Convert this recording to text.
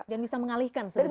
dan bisa mengalihkan sebenarnya